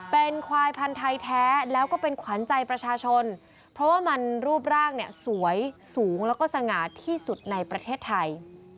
เป็นควายพันธุ์ไทยแท้แล้วก็เป็นขวัญใจประชาชนเพราะว่ามันรูปร่างเนี่ยสวยสูงแล้วก็สง่าที่สุดในประเทศไทย